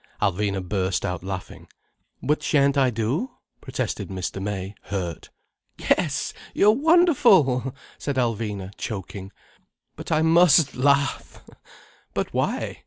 Alvina burst out laughing. "But shan't I do?" protested Mr. May, hurt. "Yes, you're wonderful," said Alvina, choking. "But I must laugh." "But why?